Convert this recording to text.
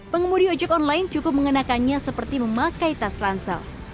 pengemudi ojek online cukup mengenakannya seperti memakai tas ransel